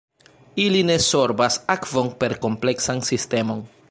Ili ne sorbas akvon per kompleksan sistemon.